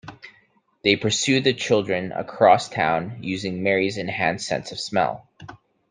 They pursue the children across town using Mary's enhanced sense of smell.